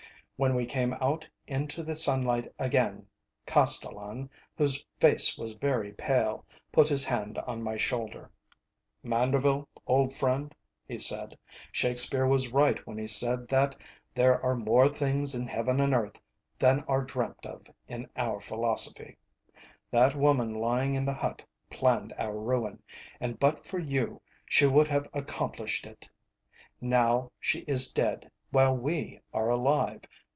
When we came out into the sunlight again, Castellan, whose face was very pale, put his hand on my shoulder. [Illustration: I THINK WE ALL KNEW WHAT WE SHOULD SEE. To face page 305.] "Manderville, old friend," he said, "Shakespeare was right when he said that 'there are more things in heaven and earth than are dreamt of in our philosophy.' That woman lying in the hut planned our ruin, and but for you she would have accomplished it. Now she is dead, while we are alive.